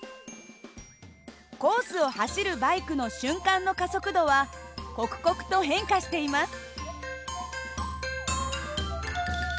コースを走るバイクの瞬間の加速度は刻々と変化しています。